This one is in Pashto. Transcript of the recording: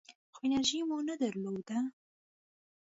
خو انرژي مو نه درلوده .